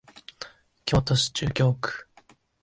京都市中京区